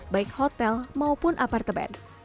baik hotel maupun apartemen